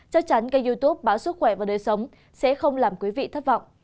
chắc chắn kênh youtube báo sức khỏe và đời sống sẽ không làm quý vị thất vọng